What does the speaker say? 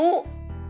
sampai jumpa lagi